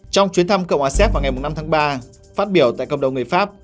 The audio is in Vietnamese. trong chuyến thăm cộng hòa xéc vào ngày năm tháng ba phát biểu tại cộng đồng người pháp